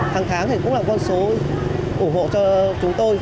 hàng tháng thì cũng là con số ủng hộ cho chúng tôi